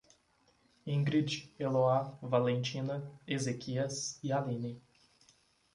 Ingrid, Eloá, Valentina, Ezequias e Aline